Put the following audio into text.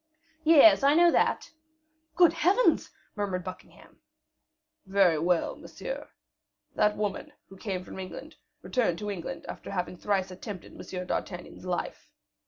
"Yes, I know that." "Good Heavens!" murmured Buckingham. "Very well, monsieur. That woman, who came from England, returned to England after having thrice attempted M. d'Artagnan's life.